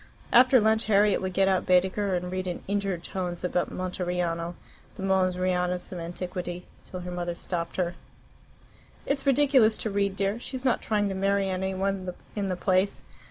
After lunch Harriet would get out Baedeker, and read in injured tones about Monteriano, the Mons Rianus of Antiquity, till her mother stopped her. "It's ridiculous to read, dear. She's not trying to marry any one in the place.